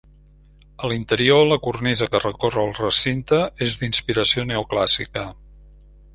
A l'interior, la cornisa que recorre el recinte és d'inspiració neoclàssica.